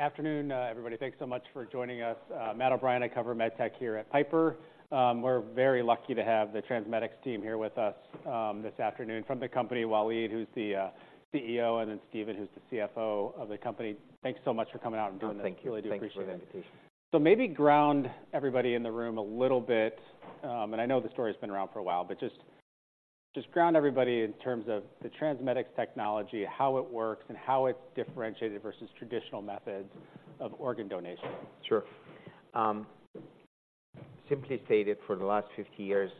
Afternoon, everybody. Thanks so much for joining us. Matt O'Brien, I cover MedTech here at Piper. We're very lucky to have the TransMedics team here with us, this afternoon. From the company, Waleed, who's the, CEO, and then Steven, who's the CFO of the company. Thank you so much for coming out and doing this. Thank you. Thanks for the invitation. Maybe ground everybody in the room a little bit, and I know the story's been around for a while, but just ground everybody in terms of the TransMedics technology, how it works, and how it's differentiated versus traditional methods of organ donation. Sure. Simply stated, for the last 50 years,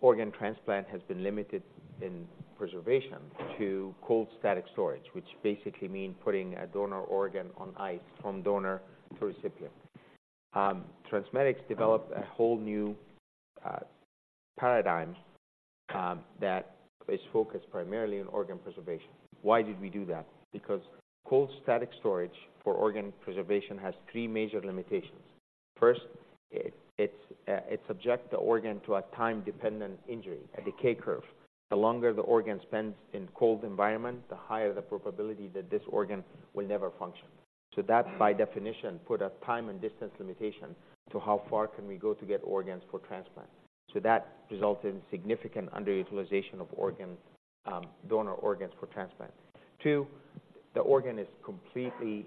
organ transplant has been limited in preservation to cold static storage, which basically means putting a donor organ on ice from donor to recipient. TransMedics developed a whole new paradigm that is focused primarily on organ preservation. Why did we do that? Because cold static storage for organ preservation has 3 major limitations. First, it subjects the organ to a time-dependent injury, a decay curve. The longer the organ spends in cold environment, the higher the probability that this organ will never function. So that, by definition, put a time and distance limitation to how far can we go to get organs for transplant. So that resulted in significant underutilization of organs, donor organs for transplant. Two, the organ is completely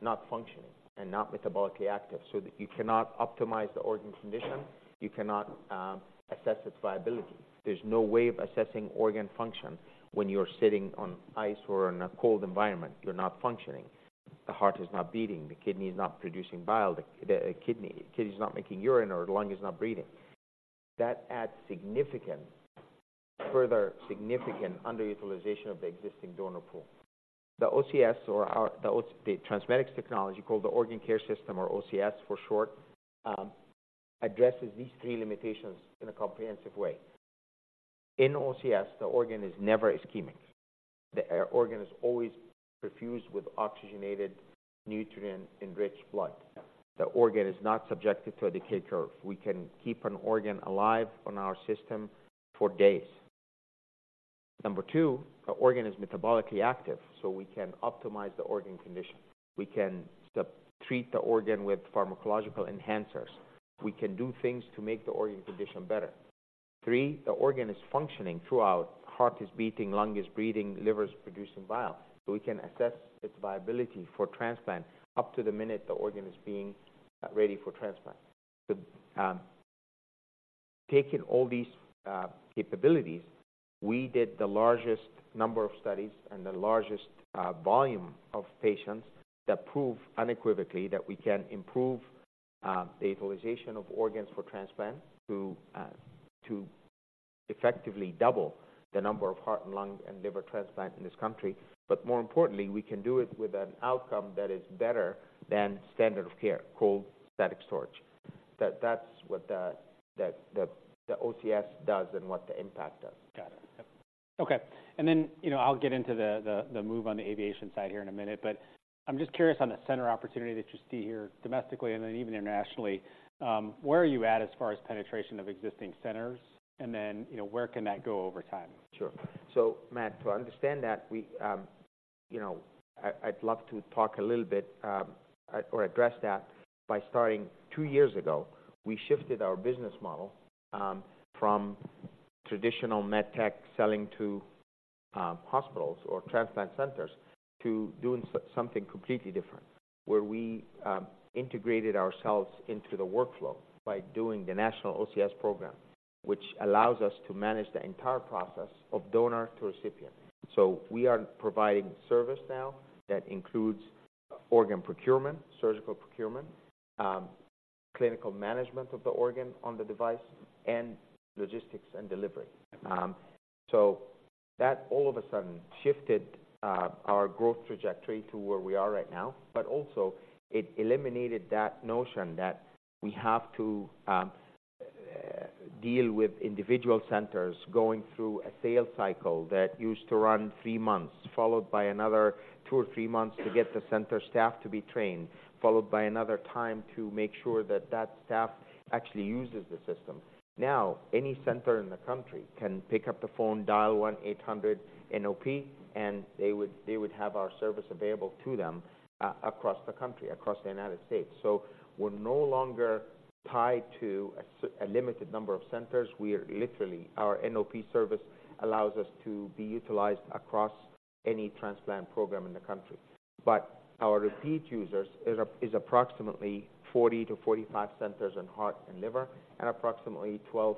not functioning and not metabolically active, so that you cannot optimize the organ condition, you cannot assess its viability. There's no way of assessing organ function when you're sitting on ice or in a cold environment. You're not functioning. The heart is not beating, the kidney is not producing bile, the kidney is not making urine, or the lung is not breathing. That adds significant, further significant underutilization of the existing donor pool. The OCS, or our TransMedics technology, called the Organ Care System or OCS for short, addresses these three limitations in a comprehensive way. In OCS, the organ is never ischemic. The organ is always perfused with oxygenated, nutrient-enriched blood. The organ is not subjected to a decay curve. We can keep an organ alive on our system for days. Number 2, the organ is metabolically active, so we can optimize the organ condition. We can treat the organ with pharmacological enhancers. We can do things to make the organ condition better. 3, the organ is functioning throughout. Heart is beating, lung is breathing, liver is producing bile. So we can assess its viability for transplant up to the minute the organ is being ready for transplant. So, taking all these capabilities, we did the largest number of studies and the largest volume of patients that prove unequivocally that we can improve the utilization of organs for transplant to to effectively double the number of heart and lung and liver transplants in this country. But more importantly, we can do it with an outcome that is better than standard of care, cold static storage. That's what the OCS does and what the impact does. Got it. Okay, and then, you know, I'll get into the move on the aviation side here in a minute, but I'm just curious on the center opportunity that you see here domestically and then even internationally. Where are you at as far as penetration of existing centers? And then, you know, where can that go over time? Sure. So, Matt, to understand that, we, you know, I, I'd love to talk a little bit, or address that by starting two years ago. We shifted our business model, from traditional MedTech selling to, hospitals or transplant centers, to doing something completely different, where we, integrated ourselves into the workflow by doing the National OCS Program, which allows us to manage the entire process of donor to recipient. So we are providing service now that includes organ procurement, surgical procurement, clinical management of the organ on the device, and logistics and delivery. So that all of a sudden shifted our growth trajectory to where we are right now, but also it eliminated that notion that we have to deal with individual centers going through a sales cycle that used to run three months, followed by another two or three months to get the center staff to be trained, followed by another time to make sure that that staff actually uses the system. Now, any center in the country can pick up the phone, dial 1-800-NOP, and they would have our service available to them across the country, across the United States. So we're no longer tied to a limited number of centers. We are literally. Our NOP service allows us to be utilized across any transplant program in the country. But our repeat users is approximately 40-45 centers in heart and liver, and approximately 12-15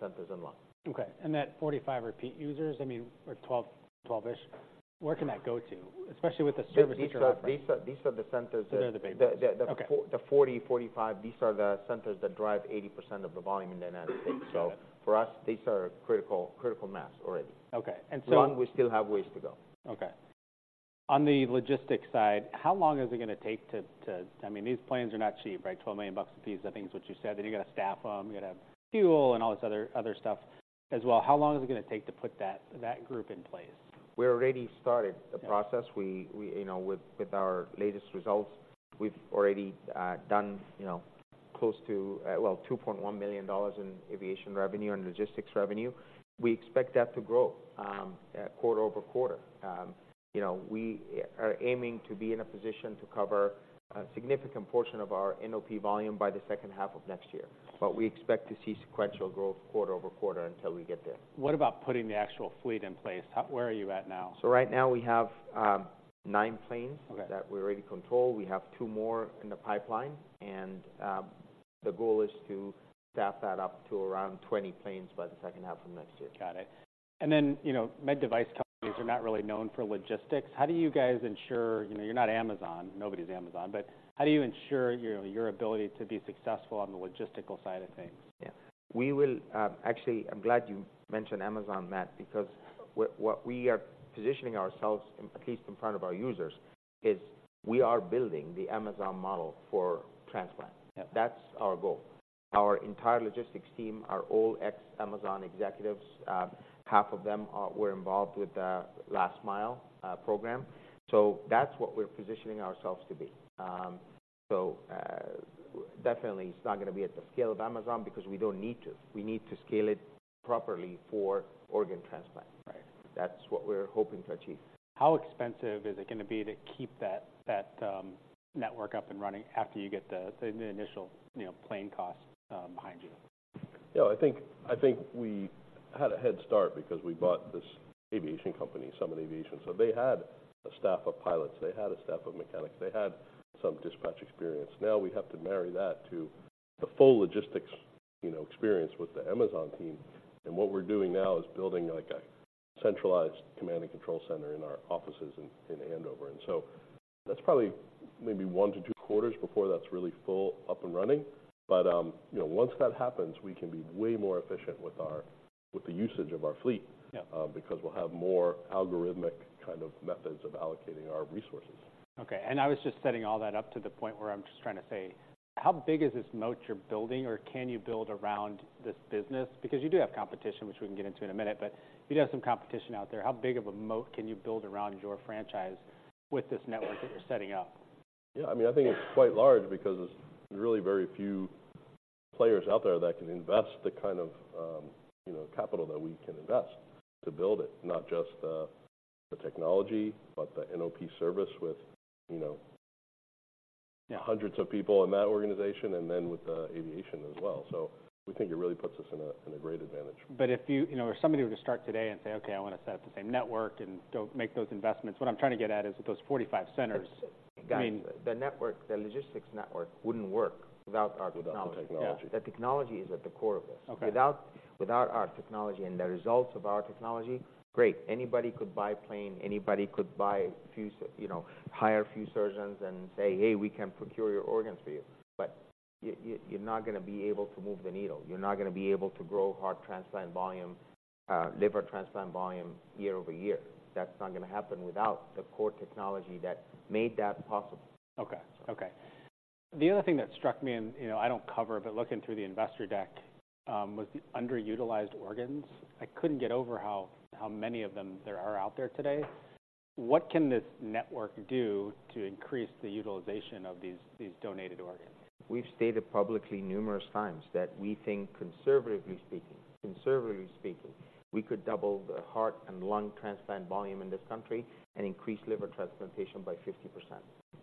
centers in lung. Okay, and that 45 repeat users, I mean, or 12, 12-ish, where can that go to? Especially with the service that you're offering. These are the centers that. They're the big ones. Okay The 40, 45, these are the centers that drive 80% of the volume in the United States. Got it. So for us, these are critical, critical mass already. Okay. Lung, we still have ways to go. Okay. On the logistics side, how long is it going to take to, I mean, these planes are not cheap, right? $12 million a piece, I think, is what you said. Then you got to staff them, you're going to have fuel, and all this other stuff as well. How long is it going to take to put that group in place? We already started the process. Okay. We, you know, with our latest results, we've already done, you know, close to, well, $2.1 million in aviation revenue and logistics revenue. We expect that to grow quarter-over-quarter. You know, we are aiming to be in a position to cover a significant portion of our NOP volume by the second half of next year, but we expect to see sequential growth quarter-over-quarter until we get there. What about putting the actual fleet in place? How, where are you at now? Right now we have nine planes. Okay. That we already control. We have two more in the pipeline, and, the goal is to staff that up to around 20 planes by the second half of next year. Got it. And then, you know, med device companies are not really known for logistics. How do you guys ensure, you know, you're not Amazon. Nobody's Amazon. But how do you ensure your ability to be successful on the logistical side of things? Yeah. We will. Actually, I'm glad you mentioned Amazon, Matt, because what we are positioning ourselves, at least in front of our users, is we are building the Amazon model for transplant. Yeah. That's our goal. Our entire logistics team are all ex-Amazon executives. Half of them were involved with the Last Mile program, so that's what we're positioning ourselves to be. Definitely it's not going to be at the scale of Amazon because we don't need to. We need to scale it properly for organ transplant. Right. That's what we're hoping to achieve. How expensive is it going to be to keep that network up and running after you get the initial, you know, plane costs behind you? You know, I think, I think we had a head start because we bought this aviation company, some aviation. So they had a staff of pilots, they had a staff of mechanics, they had some dispatch experience. Now we have to marry that to the full logistics, you know, experience with the Amazon team. And what we're doing now is building, like, a centralized command and control center in our offices in Andover. And so that's probably maybe one to two quarters before that's really full up and running. But, you know, once that happens, we can be way more efficient with our with the usage of our fleet- Yeah Because we'll have more algorithmic kind of methods of allocating our resources. Okay, and I was just setting all that up to the point where I'm just trying to say: How big is this moat you're building, or can you build around this business? Because you do have competition, which we can get into in a minute, but you do have some competition out there. How big of a moat can you build around your franchise with this network that you're setting up? Yeah, I mean, I think it's quite large because there's really very few players out there that can invest the kind of, you know, capital that we can invest to build it. Not just the technology, but the NOP service with, you know. Yeah Hundreds of people in that organization and then with the aviation as well. So we think it really puts us in a great advantage. But if you. You know, if somebody were to start today and say, "Okay, I want to set up the same network and go make those investments," what I'm trying to get at is, with those 45 centers, I mean. The network, the logistics network wouldn't work without our technology. Without the technology. Yeah. The technology is at the core of this. Okay. Without our technology and the results of our technology, great, anybody could buy a plane, anybody could buy a few, you know, hire a few surgeons and say, "Hey, we can procure your organs for you," but you're not going to be able to move the needle. You're not going to be able to grow heart transplant volume, liver transplant volume, year-over-year. That's not going to happen without the core technology that made that possible. Okay. Okay. The other thing that struck me, and, you know, I don't cover, but looking through the investor deck, was the underutilized organs. I couldn't get over how, how many of them there are out there today. What can this network do to increase the utilization of these, these donated organs? We've stated publicly numerous times that we think, conservatively speaking, conservatively speaking, we could double the heart and lung transplant volume in this country and increase liver transplantation by 50%.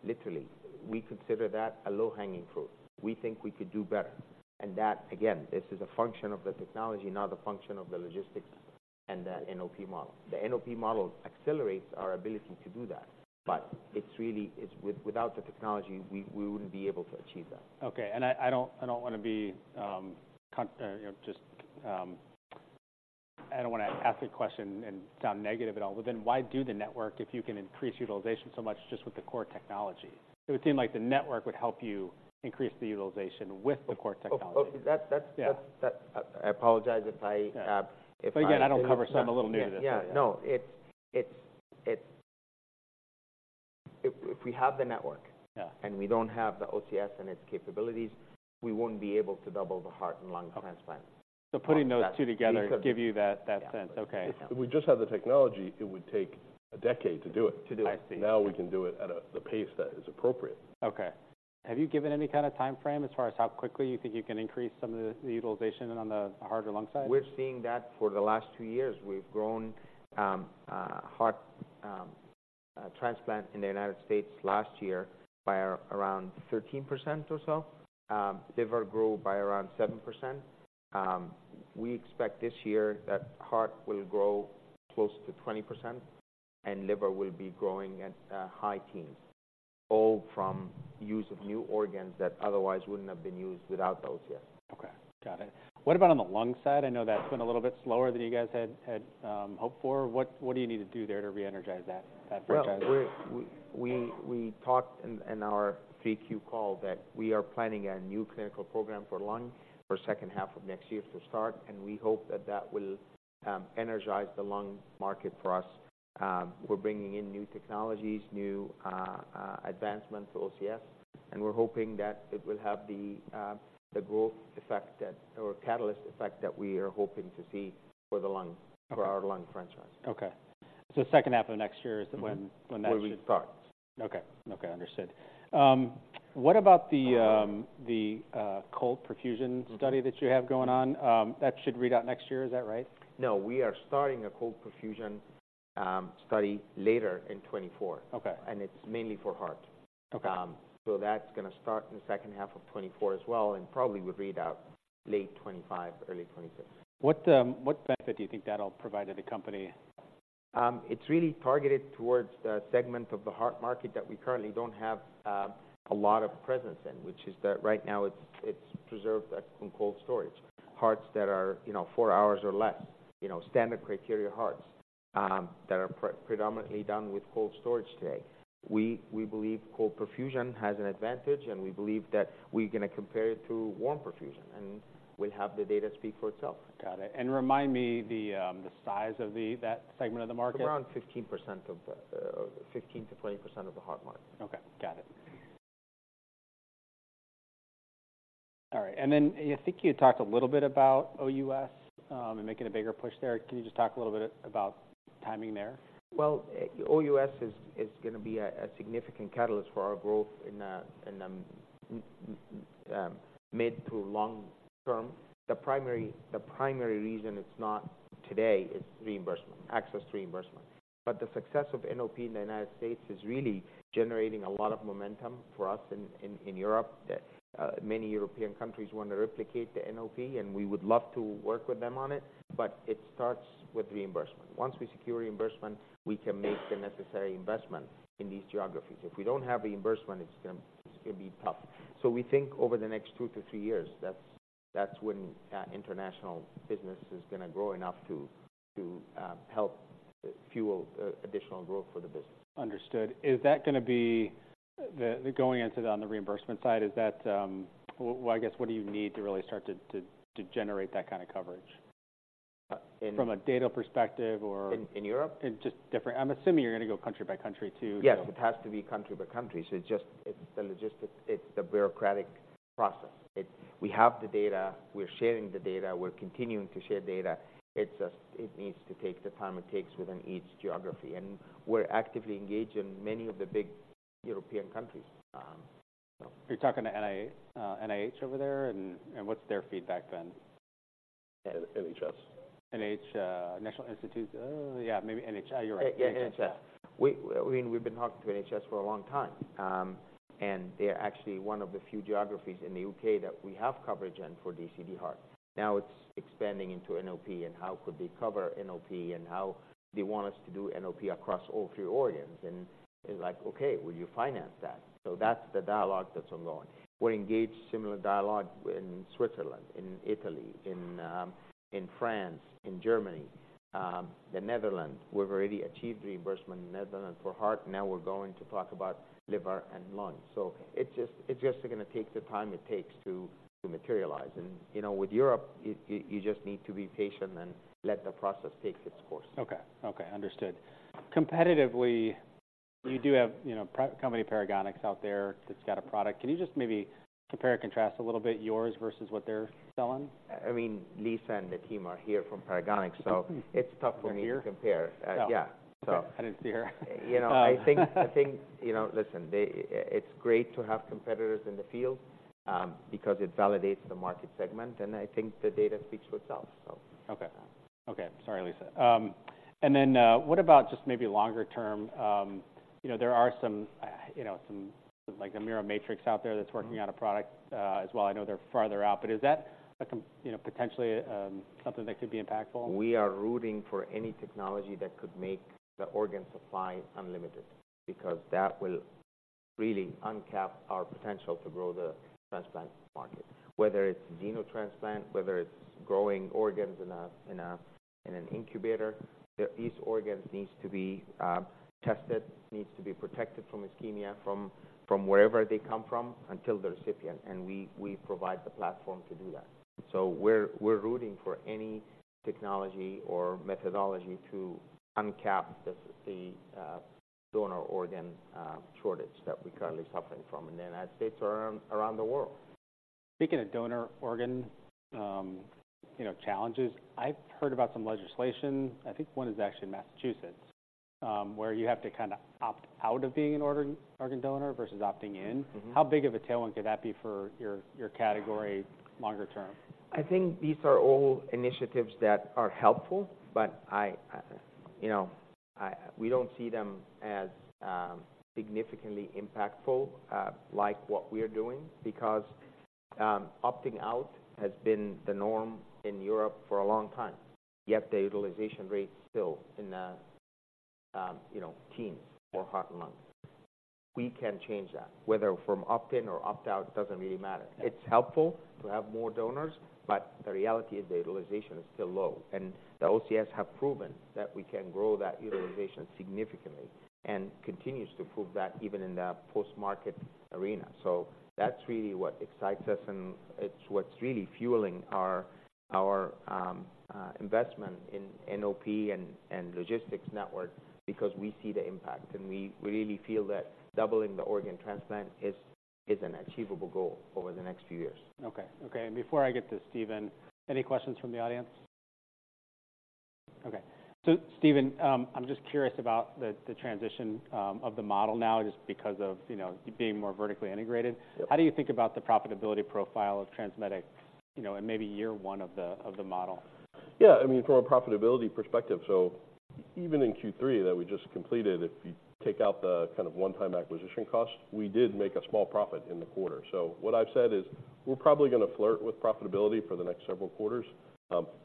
Literally, we consider that a low-hanging fruit. We think we could do better, and that, again, this is a function of the technology, not a function of the logistics and the NOP model. The NOP model accelerates our ability to do that, but it's really without the technology, we wouldn't be able to achieve that. Okay, and I, I don't, I don't want to be, you know, just, I don't want to ask a question and sound negative at all, but then why do the network if you can increase utilization so much just with the core technology? It would seem like the network would help you increase the utilization with the core technology. Oh, oh, that, that's. Yeah. I apologize if I. But again, I don't cover, so I'm a little new to this. Yeah. No, If we have the network. Yeah. We don't have the OCS and its capabilities, we wouldn't be able to double the heart and lung transplant. Putting those two together give you that, that sense. Yeah. Okay. If we just had the technology, it would take a decade to do it. To do it. I see. Now we can do it at the pace that is appropriate. Okay. Have you given any kind of timeframe as far as how quickly you think you can increase some of the utilization on the heart and lung side? We're seeing that for the last 2 years. We've grown heart transplant in the United States last year by around 13% or so. Liver grew by around 7%. We expect this year that heart will grow close to 20% and liver will be growing at high teens, all from use of new organs that otherwise wouldn't have been used without the OCS. Okay. Got it. What about on the lung side? I know that's been a little bit slower than you guys had hoped for. What do you need to do there to re-energize that franchise? Well, we talked in our 3Q call that we are planning a new clinical program for lung for second half of next year to start, and we hope that that will energize the lung market for us. We're bringing in new technologies, new advancements to OCS, and we're hoping that it will have the growth effect that or catalyst effect that we are hoping to see for the lung- Okay. For our lung franchise. Okay. So second half of next year is when. Will start. Okay. Okay, understood. What about the cold perfusion study that you have going on? That should read out next year, is that right? No, we are starting a cold perfusion study later in 2024. Okay. It's mainly for heart. Okay. That's going to start in the second half of 2024 as well, and probably would read out late 2025, early 2026. What, what benefit do you think that'll provide to the company? It's really targeted towards the segment of the heart market that we currently don't have a lot of presence in, which is that right now, it's preserved in cold storage. Hearts that are, you know, 4 hours or less, you know, standard criteria hearts that are predominantly done with cold storage today. We believe cold perfusion has an advantage, and we believe that we're going to compare it to warm perfusion, and we'll have the data speak for itself. Got it. And remind me the size of that segment of the market. Around 15%-20% of the heart market. Okay, got it. All right. And then I think you talked a little bit about OUS, and making a bigger push there. Can you just talk a little bit about timing there? Well, OUS is going to be a significant catalyst for our growth in the mid to long term. The primary reason it's not today is reimbursement, access to reimbursement. But the success of NOP in the United States is really generating a lot of momentum for us in Europe, that many European countries want to replicate the NOP, and we would love to work with them on it, but it starts with reimbursement. Once we secure reimbursement, we can make the necessary investment in these geographies. If we don't have reimbursement, it's going to be tough. So we think over the next two to three years, that's when international business is going to grow enough to help fuel additional growth for the business. Understood. Is that going to be the going into on the reimbursement side, is that. Well, I guess, what do you need to really start to generate that kind of coverage? From a data perspective or? In Europe? I'm assuming you're going to go country by country, too. Yes, it has to be country by country. So it's the logistics, it's the bureaucratic process. We have the data, we're sharing the data, we're continuing to share data. It's just, it needs to take the time it takes within each geography, and we're actively engaged in many of the big European countries, so. Are you talking to NIH over there? And what's their feedback then? NHS. NH, National Institute. Yeah, maybe NHI, you're right. Yeah, NHS. I mean, we've been talking to NHS for a long time, and they are actually one of the few geographies in the UK that we have coverage in for DCD heart. Now it's expanding into NOP and how could they cover NOP, and how they want us to do NOP across all three organs. And it's like, "Okay, will you finance that?" So that's the dialogue that's ongoing. We're engaged similar dialogue in Switzerland, in Italy, in France, in Germany, the Netherlands. We've already achieved reimbursement in the Netherlands for heart, now we're going to talk about liver and lung. So it just, it's just going to take the time it takes to materialize. And, you know, with Europe, you just need to be patient and let the process take its course. Okay. Okay, understood. Competitively, you do have, you know, a company, Paragonix, out there that's got a product. Can you just maybe compare and contrast a little bit yours versus what they're selling? I mean, Lisa and the team are here from Paragonix, so it's tough for me to compare. They're here? Yeah, so. I didn't see her. You know, I think, you know. Listen, they, it's great to have competitors in the field, because it validates the market segment, and I think the data speaks for itself, so. Okay. Okay. Sorry, Lisa. And then, what about just maybe longer term? You know, there are some, you know, some, like the Miromatrix out there that's working on a product, as well. I know they're farther out, but is that, you know, potentially, something that could be impactful? We are rooting for any technology that could make the organ supply unlimited, because that will really uncap our potential to grow the transplant market. Whether it's xenotransplant, whether it's growing organs in an incubator, these organs needs to be tested, needs to be protected from Ischemia, from wherever they come from until the recipient, and we provide the platform to do that. So we're rooting for any technology or methodology to uncap the donor organ shortage that we're currently suffering from in the United States or around the world. Speaking of donor organ, you know, challenges, I've heard about some legislation. I think one is actually in Massachusetts, where you have to kind of opt out of being an organ donor versus opting in. How big of a tailwind could that be for your category longer term? I think these are all initiatives that are helpful, but I, you know, we don't see them as significantly impactful, like what we're doing, because opting out has been the norm in Europe for a long time, yet the utilization rate still in the, you know, teens for heart and lung. We can change that. Whether from opt-in or opt-out, doesn't really matter. Yeah. It's helpful to have more donors, but the reality is the utilization is still low, and the OCS have proven that we can grow that utilization significantly and continues to prove that even in the post-market arena. So that's really what excites us, and it's what's really fueling our investment in NOP and logistics network, because we see the impact, and we really feel that doubling the organ transplant is an achievable goal over the next few years. Okay. Okay, and before I get to Steven, any questions from the audience? Okay, so Steven, I'm just curious about the transition of the model now, just because of, you know, being more vertically integrated. Yep. How do you think about the profitability profile of TransMedics, you know, in maybe year one of the model? Yeah, I mean, from a profitability perspective, so even in Q3 that we just completed, if you take out the kind of one-time acquisition costs, we did make a small profit in the quarter. So what I've said is, we're probably going to flirt with profitability for the next several quarters.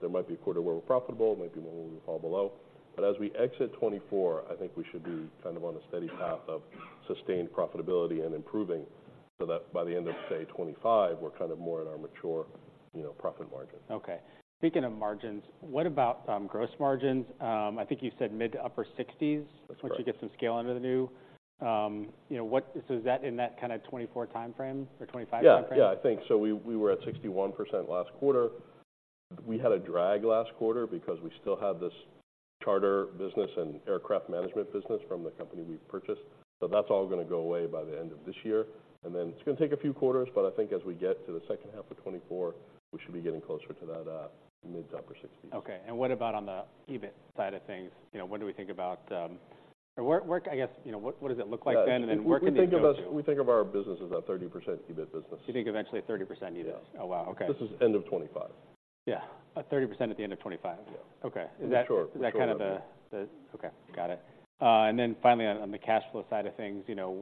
There might be a quarter where we're profitable, might be one where we fall below. But as we exit 2024, I think we should be kind of on a steady path of sustained profitability and improving, so that by the end of, say, 2025, we're kind of more in our mature, you know, profit margin. Okay. Speaking of margins, what about gross margins? I think you said mid- to upper-60s- That's correct. Once you get some scale under the new... you know, so is that in that kind of 2024 timeframe or 2025 timeframe? Yeah. Yeah, I think. So we were at 61% last quarter. We had a drag last quarter because we still had this charter business and aircraft management business from the company we purchased, so that's all going to go away by the end of this year. And then it's going to take a few quarters, but I think as we get to the second half of 2024, we should be getting closer to that mid- to upper 60s%. Okay. And what about on the EBIT side of things? You know, when do we think about... Where, I guess, you know, what does it look like then, and where can this go to? We think of our business as a 30% EBIT business. You think eventually a 30% EBIT? Yeah. Oh, wow. Okay. This is end of 25. Yeah, 30% at the end of 2025. Yeah. Okay. Sure. Is that kind of the. Okay, got it. And then finally, on the cash flow side of things, you know,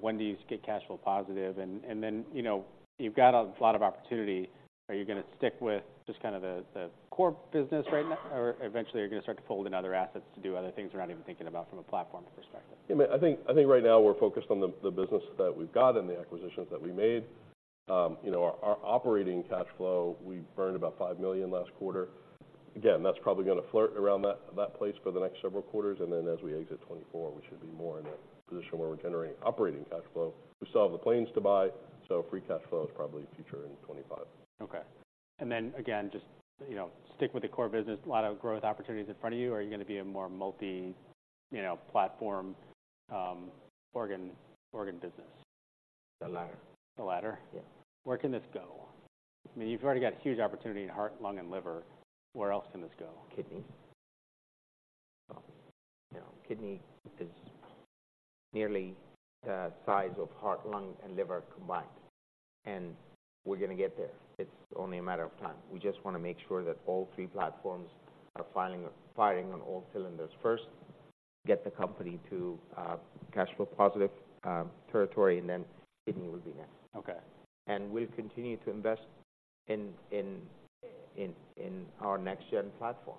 when do you get cash flow positive? And then, you know, you've got a lot of opportunity. Are you going to stick with just kind of the core business right now, or eventually, are you going to start to fold in other assets to do other things we're not even thinking about from a platform perspective? Yeah, I think, I think right now we're focused on the business that we've got and the acquisitions that we made. You know, our operating cash flow, we burned about $5 million last quarter. Again, that's probably going to flirt around that place for the next several quarters, and then as we exit 2024, we should be more in a position where we're generating operating cash flow. We still have the planes to buy, so free cash flow is probably future in 2025. Okay. Then again, just, you know, stick with the core business. A lot of growth opportunities in front of you. Are you going to be a more multi, you know, platform, organ business? The latter. The latter? Yeah. Where can this go? I mean, you've already got a huge opportunity in heart, lung, and liver. Where else can this go? Kidney. You know, kidney is nearly the size of heart, lung, and liver combined, and we're going to get there. It's only a matter of time. We just want to make sure that all three platforms are firing on all cylinders. First, get the company to cash flow positive territory, and then kidney will be next. Okay. We'll continue to invest in our next gen platform.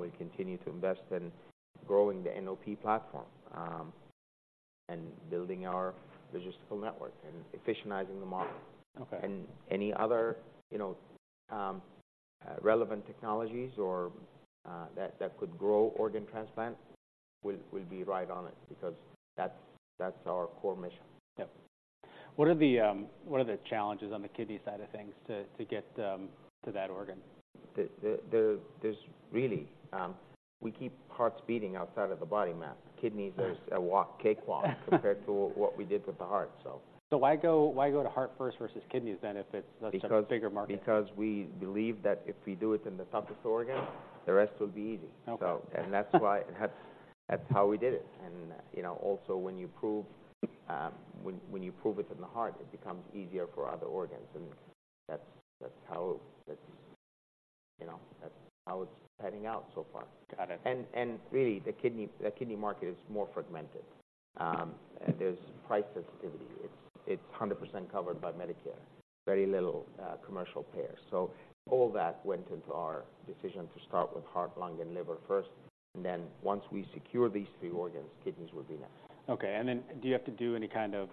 We continue to invest in growing the NOP platform, and building our logistical network and efficientizing the model. Okay. Any other, you know, relevant technologies or that could grow organ transplant, we'll be right on it because that's our core mission. Yep. What are the challenges on the kidney side of things to get to that organ? There's really, we keep hearts beating outside of the body map. Yeah. Kidneys are a walk, cake walk compared to what we did with the heart. So... Why go, why go to heart first versus kidneys then, if it's a bigger market? Because, because we believe that if we do it in the toughest organ, the rest will be easy. Okay. That's how we did it. And, you know, also, when you prove it in the heart, it becomes easier for other organs, and that's how that's, you know, that's how it's panning out so far. Got it. And really, the kidney market is more fragmented. There's price sensitivity. It's 100% covered by Medicare. Very little commercial payers. So all that went into our decision to start with heart, lung, and liver first, and then once we secure these three organs, kidneys will be next. Okay. And then, do you have to do any kind of,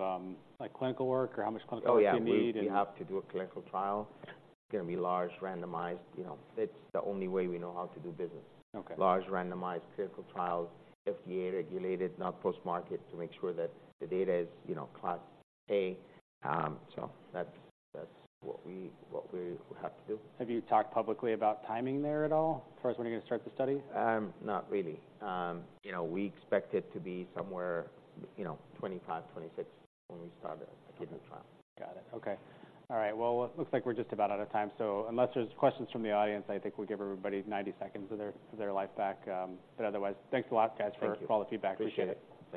like, clinical work, or how much clinical work do you need? Oh, yeah, we have to do a clinical trial. It's going to be large, randomized. You know, it's the only way we know how to do business. Okay. Large, randomized clinical trials, FDA-regulated, not post-market, to make sure that the data is, you know, Class A. So that's what we have to do. Have you talked publicly about timing there at all, as far as when you're going to start the study? Not really. You know, we expect it to be somewhere, you know, 25, 26, when we start a kidney trial. Got it. Okay. All right. Well, it looks like we're just about out of time, so unless there's questions from the audience, I think we'll give everybody 90 seconds of their life back. But otherwise, thanks a lot, guys, for all the feedback. Thank you. Appreciate it.